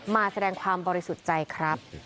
มาแสดงความบริสุทธิ์ใจครับ